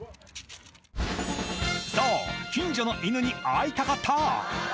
そう近所の犬に会いたかった！